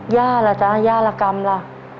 ย่าล่ะจ๊ะย่าละกรรมล่ะ